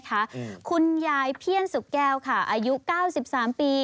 คุณยายเพียงสุแก้วค่ะอายุ๙๓ปี